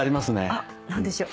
あっ何でしょう？